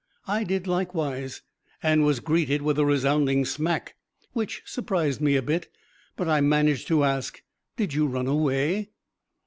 I did likewise, and was greeted with a resounding smack which surprised me a bit, but I managed to ask, "Did you run away?"